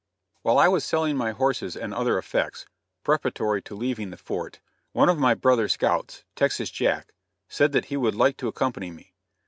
While I was selling my horses and other effects, preparatory to leaving the fort, one of my brother scouts, Texas Jack, said that he would like to accompany me.